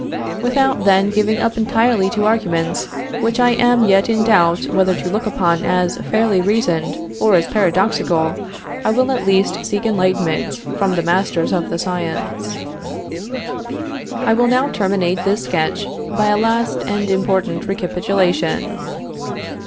"Without, then, giving up entirely to arguments, which I am yet in doubt whether to look upon as fairly reasoned, or as paradoxical, I will at least seek enlightenment from the masters of the science." I will now terminate this sketch by a last and important recapitulation.